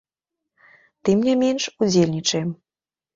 Тым не менш, удзельнічаем.